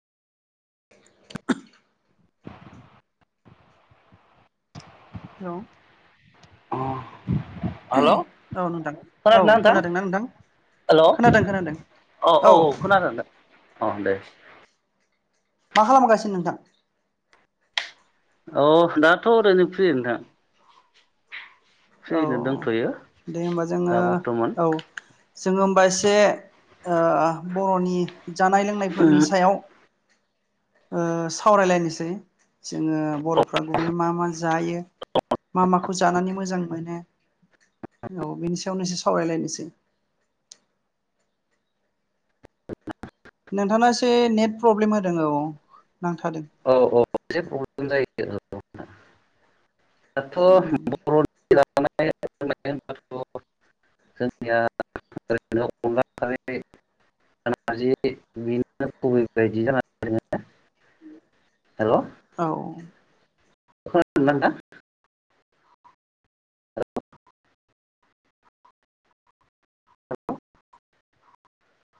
[inaudible] हेल' अ' हेल' औ नोंथां औ खोनादोंना नोंथां? हेल' अ' खोनादों खोनादों औ औ खोनादों नोंथां। मा खालामगासिनो नोंथां? अ' दाथ' ओरैनो फ्रि नोथां। औ दे होमबा दा जोङो बर्थमान औ जोङो होमबा एसे ओ बर'नि जानाय लोंनायफोरनि सायाव [inaudible] ओ सावरायलायनोसै जोङो बर'फ्रा गुबैयै मा मा जायो। मा माखौ जानानै मोजां मोनो औ बेनि सायावनो एसे सावरायलायनोसै। नोंथाङा एसे नेट प्रब्लेम होदों औ नांथादों। औ औ [unintelligible] दाथ' उम [unintelligible] [inaudible] औ जोंनिया [unintelligible] [unintelligible] हेलौ? औ [unintelligible] नोंथां